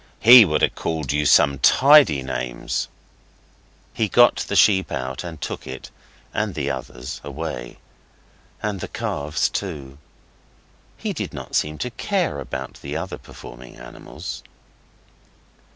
He would ha' called you some tidy names.' He got the sheep out, and took it and the others away. And the calves too. He did not seem to care about the other performing animals.